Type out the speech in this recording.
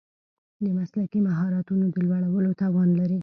د مسلکي مهارتونو د لوړولو توان لري.